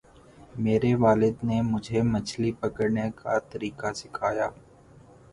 میرے والد نے مجھے مچھلی پکڑنے کا طریقہ سکھایا۔